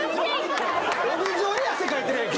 帯状に汗かいてるやん！